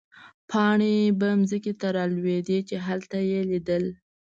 پاڼې به مځکې ته رالوېدې، چې هلته يې لیدل.